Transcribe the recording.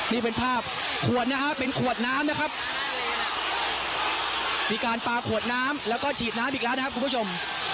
นี่เป็นภาพขวดนะฮะเป็นขวดน้ำนะครับมีการปลาขวดน้ำแล้วก็ฉีดน้ำอีกแล้วนะครับคุณผู้ชม